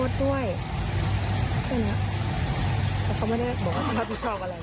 แบบเนี้ยแต่เขาไม่ได้บอกว่าเขาถูกชอบอะไร